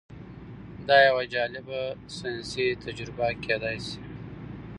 دا یوه جالبه ساینسي تجربه کیدی شي.